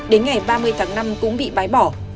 đến ngày ba mươi tháng năm cũng bị bãi bỏ